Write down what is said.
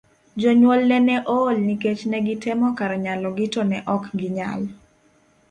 Jonyuolne ne ool nikech ne gitemo kar nyalogi to ne ok ginyal.